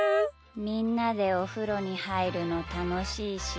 みんなでおふろにはいるのたのしいし。